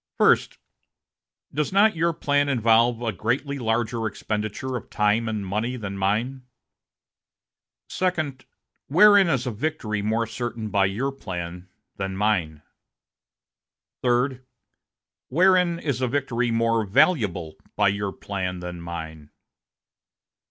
"First. Does not your plan involve a greatly larger expenditure of time and money than mine?" "Second. Wherein is a victory more certain by your plan than mine?" "Third. Wherein is a victory more valuable by your plan than mine?"